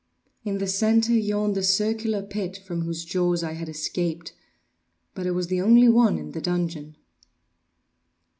In the centre yawned the circular pit from whose jaws I had escaped; but it was the only one in the dungeon.